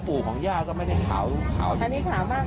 ปลวงอย่างบรรยากาศที่มันนี่บอกอ่ะ